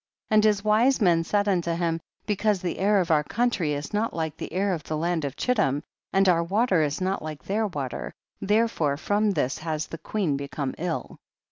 and his wise men said unto him, because the air of our country is not like the air of the land of Chittim, and our water is not like their water, therefore from this has the queen become ill.